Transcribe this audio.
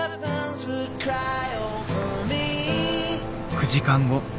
９時間後。